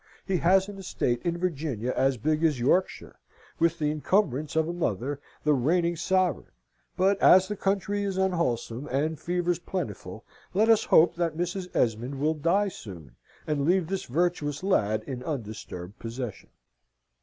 He has an estate in Virginia as big as Yorkshire, with the incumbrance of a mother, the reigning Sovereign; but, as the country is unwholesome, and fevers plentiful, let us hope that Mrs. Esmond will die soon, and leave this virtuous lad in undisturbed possession.